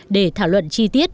để thảo luận chi tiết